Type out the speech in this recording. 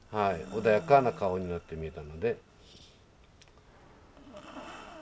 穏やかな顔になってみえたので。